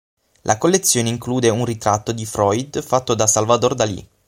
La collezione include un ritratto di Freud fatto da Salvador Dalí.